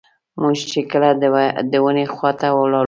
موږ چې کله د ونې خواته لاړو.